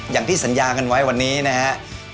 อย่างที่สัญญากันไว้วันนี้นะครับ